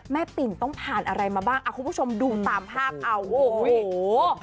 แม่ปิ่นต้องผ่านอะไรมาบ้างคุณผู้ชมดูตามภาพ